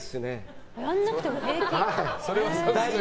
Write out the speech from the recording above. やらなくても平気？